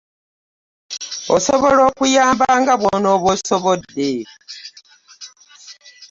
Osobola okuyamba nga bw'onooba osobodde.